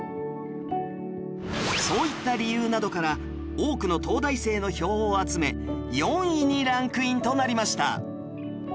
そういった理由などから多くの東大生の票を集め４位にランクインとなりました